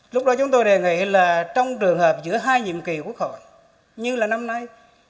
lúc đó chúng tôi đề nghị là trong trường hợp giữa hai nhiệm kỳ quốc hội như là năm nay